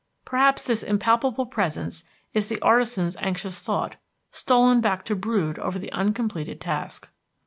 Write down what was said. Perhaps this impalpable presence is the artisan's anxious thought, stolen back to brood over the uncompleted task.